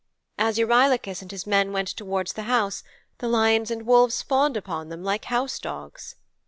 As Eurylochus and his men went towards the house the lions and wolves fawned upon them like house dogs.'